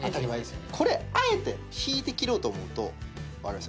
これあえて引いて切ろうと思うと分かります？